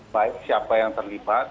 baik siapa yang terlibat